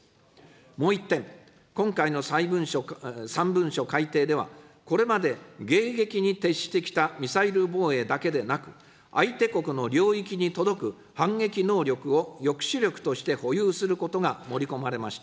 もう１点、今回の３文書改定では、これまで迎撃に徹してきたミサイル防衛だけでなく、相手国の領域に届く反撃能力を抑止力として保有することが盛り込まれました。